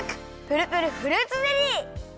プルプルフルーツゼリー！